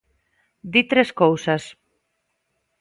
Di tres cousas.